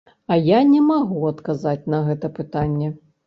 А я не магу адказаць на гэта пытанне.